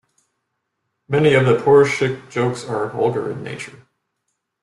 Many of the Poruchik jokes are vulgar in nature.